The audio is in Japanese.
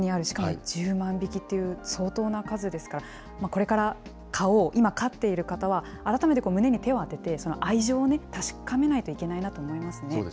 しかも１０万匹っていう、相当な数ですから、これから飼おう、今飼っている方は改めて胸に手を当てて、愛情を確かめないといけないなと思いますね。